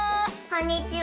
こんにちは。